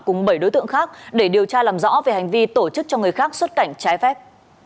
cùng bảy đối tượng khác để điều tra làm rõ về hành vi tổ chức cho người khác xuất cảnh trái phép